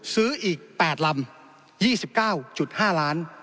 ซื้ออีก๘ลำ๒๙๕ล้าน